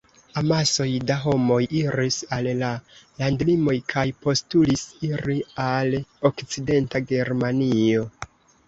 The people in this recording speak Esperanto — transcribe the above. Amasoj da homoj iris al la landlimoj kaj postulis iri al okcidenta Germanio.